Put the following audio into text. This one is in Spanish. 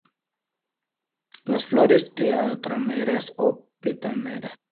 Las flores tetrámeras o pentámeras.